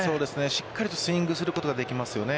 しっかりスイングすることができますよね。